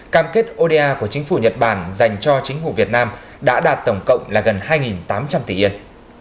cam kết oda của chính phủ nhật bản dành cho chính phủ việt nam đã đạt tổng cộng là gần hai tám trăm linh tỷ yên